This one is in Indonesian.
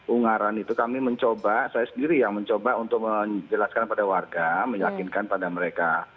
ungaran itu kami mencoba saya sendiri yang mencoba untuk menjelaskan pada warga meyakinkan pada mereka